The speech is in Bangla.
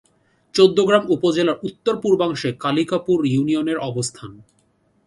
চৌদ্দগ্রাম উপজেলার উত্তর-পূর্বাংশে কালিকাপুর ইউনিয়নের অবস্থান।